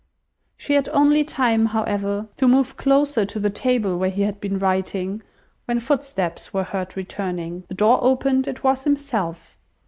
She had only time, however, to move closer to the table where he had been writing, when footsteps were heard returning; the door opened, it was himself.